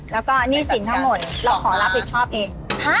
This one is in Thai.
แล้วก็หนี้สินทั้งหมดเราขอรับผิดชอบเอง